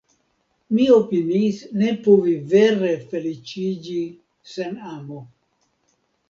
Mi opiniis ne povi vere feliĉiĝi sen amo.